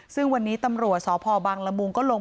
ซึ่งวันนี้ตำรวจสพบังละมุงก็ลง